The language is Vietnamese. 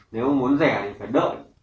nếu muốn rẻ thì phải đợi